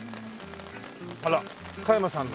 ほら加山さんの。